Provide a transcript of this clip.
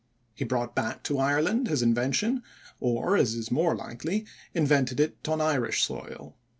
He brought back to Ireland his invention, or, as is most likely, invented it on Irish soil.